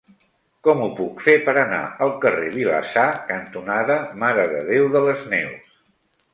Com ho puc fer per anar al carrer Vilassar cantonada Mare de Déu de les Neus?